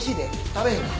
食べへんか？